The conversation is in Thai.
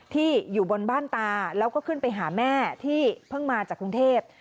อยู่บนบ้านตาแล้วก็ขึ้นไปหาแม่ที่เพิ่งมาจากกรุงเทพ